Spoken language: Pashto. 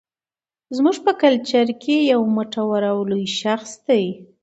زموږ په کلچر کې يو مټور او لوى شخص دى